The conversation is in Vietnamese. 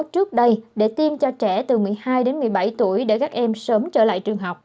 trước đây để tiêm cho trẻ từ một mươi hai đến một mươi bảy tuổi để các em sớm trở lại trường học